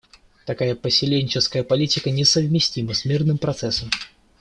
Такая поселенческая политика не совместима с мирным процессом.